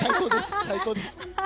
最高です。